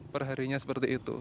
perharinya seperti itu